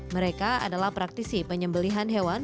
mereka adalah praktisi penyembelihan hewan